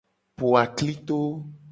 Po aklito.